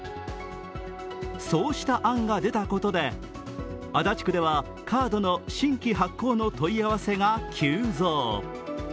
そうした案が出たことで、足立区ではカードの新規発行の問い合わせが急増。